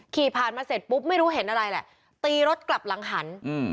ขี่ผ่านมาเสร็จปุ๊บไม่รู้เห็นอะไรแหละตีรถกลับหลังหันอืม